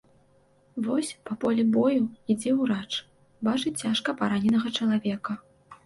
Вось па полі бою ідзе ўрач, бачыць цяжка параненага чалавека.